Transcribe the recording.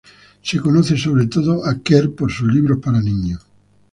Se conoce sobre todo a Kerr por sus libros para niños.